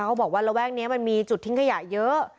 เขาบอกว่าระแวกนี้มันมีจุดทิ้งขยะเยอะ